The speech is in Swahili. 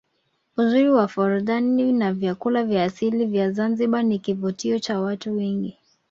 uzuri wa forodhani na vyakula vya asili vya Zanzibar ni kivutio cha watu wengi